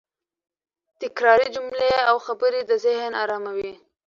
تکراري جملې او خبرې د ذهن اراموي.